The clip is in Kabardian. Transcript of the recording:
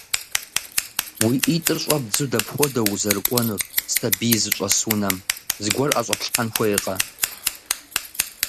Уи ӏитӏыр щӏэбдзу дэпхуэдэу узэрыкӏуэнур сэбий зыщӏэс унэм? Зыгуэр ӏэщӏэплъхэн хуейкъэ?